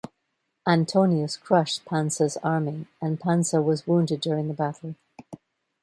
Antonius crushed Pansa's army, and Pansa was wounded during the battle.